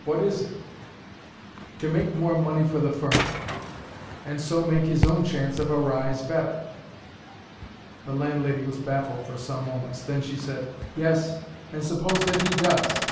What is it?" "To make more money for the firm and so make his own chance of a rise better." The landlady was baffled for some moments. Then she said: "Yes, and suppose that he does.